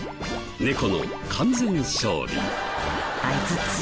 猫の完全勝利。